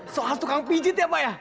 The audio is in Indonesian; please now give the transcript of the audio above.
soal tukang pijit ya pak ya